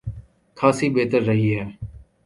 خاصی بہتر رہی ہے۔